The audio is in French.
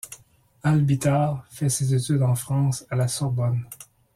Al Bitar fait ses études en France à la Sorbonne.